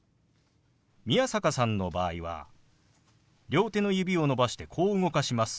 宮坂さんの場合は両手の指を伸ばしてこう動かします。